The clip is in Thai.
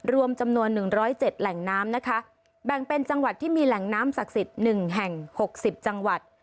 รวมจำนวนหนึ่งร้อยเจ็ดแหล่งน้ำนะคะแบ่งเป็นจังหวัดที่มีแหล่งน้ำศักดิ์สิตหนึ่งแห่งหกสิบจังหวัด